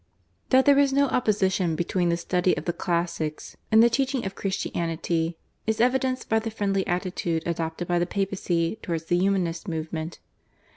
That there was no opposition between the study of the classics and the teaching of Christianity is evidenced by the friendly attitude adopted by the Papacy towards the Humanist movement.